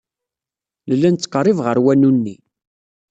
Nella nettqerrib ɣer wanu-nni.